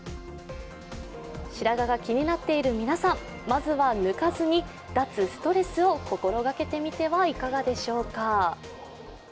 白髪が気になっている皆さん、まずは抜かずに脱ストレスを心がけてみてはいかがでしょうか。